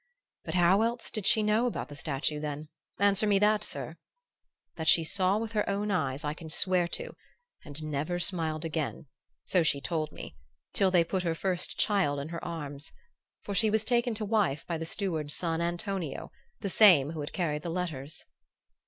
But how else did she know about the statue then? Answer me that, sir! That she saw with her eyes, I can swear to, and never smiled again, so she told me, till they put her first child in her arms ... for she was taken to wife by the steward's son, Antonio, the same who had carried the letters....